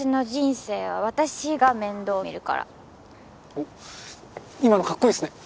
おっ今のかっこいいっすね。